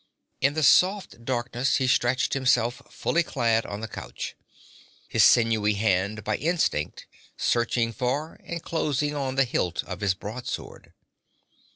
In the soft darkness he stretched himself fully clad on the couch, his sinewy hand by instinct searching for and closing on the hilt of his broadsword.